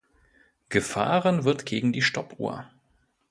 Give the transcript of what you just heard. Gefahren wird gegen die Stoppuhr.